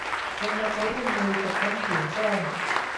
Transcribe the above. ควรนำมาร่วมมือกับท้องถิ่นสร้าง